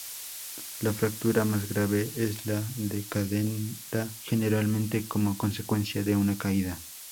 La fractura más grave es la de cadera, generalmente como consecuencia de una caída.